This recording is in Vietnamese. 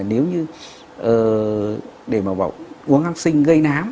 nếu như để mà bảo uống hăng sinh gây nám